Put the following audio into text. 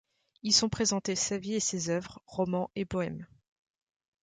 Y sont présentées sa vie et ses œuvres, romans et poèmes.